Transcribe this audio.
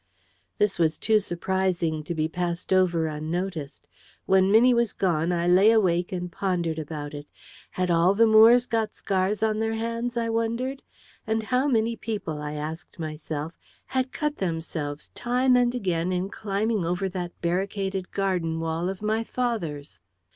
This was too surprising to be passed over unnoticed. When Minnie was gone, I lay awake and pondered about it. Had all the Moores got scars on their hands, I wondered? And how many people, I asked myself, had cut themselves time and again in climbing over that barricaded garden wall of my father's?